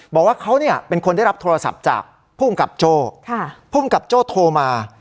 บอกว่าเขาเนี่ยเป็นคนได้รับโทรศัพท์จากภูมิกับโจ้ภูมิกับโจ้โทรมา